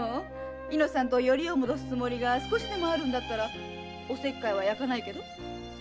猪之さんとヨリを戻すつもりが少しでもあるならお節介は焼かないけど。